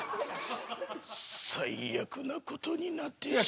最悪なことになってしまった。